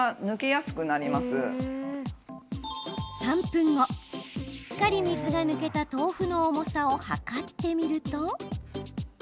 ３分後、しっかり水が抜けた豆腐の重さを量ってみると。